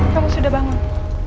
kamu sudah bangun